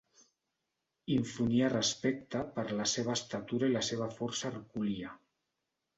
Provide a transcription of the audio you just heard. Infonia respecte per la seva estatura i la seva força hercúlia.